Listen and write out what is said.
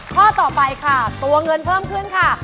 ข้อต่อไปค่ะตัวเงินเพิ่มขึ้นค่ะ